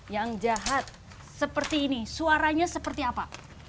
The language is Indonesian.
yang jahat seperti ini suaranya seperti apa